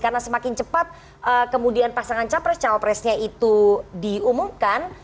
karena semakin cepat kemudian pasangan capres cawapresnya itu diumumkan